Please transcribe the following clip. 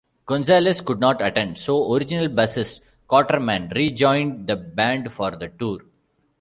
Gonzalez could not attend, so original bassist Cotterman rejoined the band for the tour.